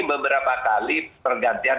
beberapa kali pergantian